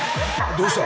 どうした？